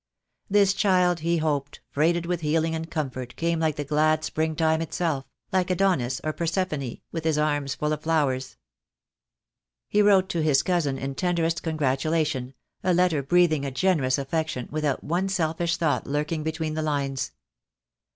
This child came, he hoped, freighted with healing and comfort, came like the glad spring time itself, like Adonis or Persephone, with his arms full of flowers. He wrote to his cousin, in tenderest congratulation, a letter breathing a generous affection, without one selfish thought lurking between the lines.